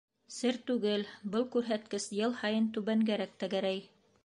Сер түгел, был күрһәткес йыл һайын түбәнгәрәк тәгәрәй.